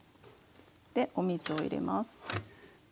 でお水を入れます。